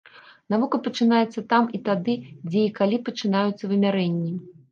Навука пачынаецца там і тады, дзе і калі пачынаюцца вымярэнні.